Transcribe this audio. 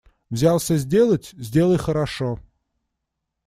Взялся сделать – сделай хорошо.